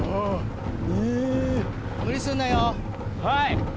はい。